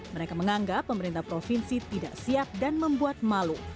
mereka menganggap pemerintah provinsi tidak siap dan membuat malu